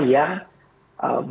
yang menurut saya